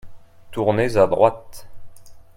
Tournez à droite.